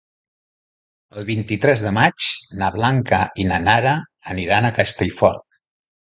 El vint-i-tres de maig na Blanca i na Nara aniran a Castellfort.